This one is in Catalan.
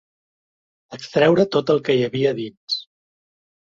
Extreure tot el que hi havia dins.